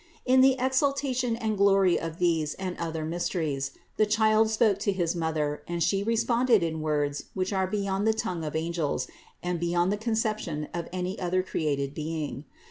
In the exaltation and glory of these and other mysteries, the Child spoke to his Mother and She re sponded in words which are beyond the tongue of angels and beyond the conception of any other created being.